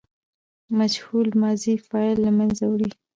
مجهول ماضي فاعل له منځه وړي.